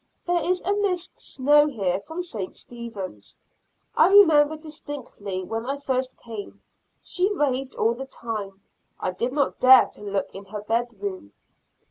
There is a Miss Snow here from St. Stephens. I remember distinctly when I first came, she raved all the time. I did not dare to look in her bed room.